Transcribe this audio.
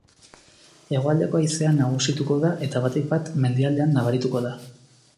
Hegoaldeko haizea nagusituko da eta, batik bat, mendialdean nabarituko da.